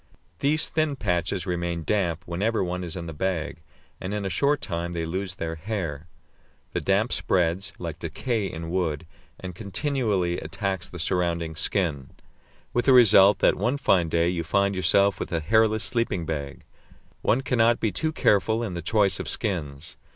These thin patches remain damp whenever one is in the bag, and in a short time they lose their hair. The damp spreads, like decay in wood, and continually attacks the surrounding skin, with the result that one fine day you find yourself with a hairless sleeping bag. One cannot be too careful in the choice of skins.